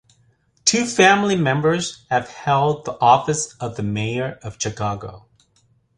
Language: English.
Two family members have held the office of the Mayor of Chicago.